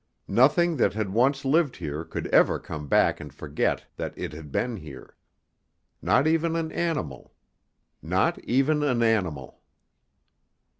Nothing that had once lived here could ever come back and forget that it had been here. Not even an animal not even an animal.